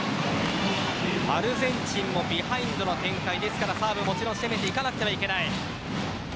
アルゼンチンもビハインドの展開ですからもちろんサーブも攻めていかなければいけない。